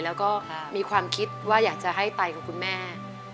แล้วก็มีความคิดว่าอยากจะให้ไตของคุณแม่